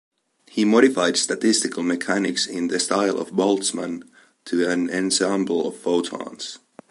He modified statistical mechanics in the style of Boltzmann to an ensemble of photons.